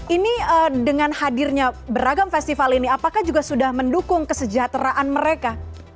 ini dengan hadirnya beragam festival ini apakah juga sudah mendukung kesejahteraan mereka